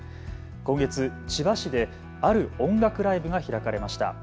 今月、千葉市である音楽ライブが開かれました。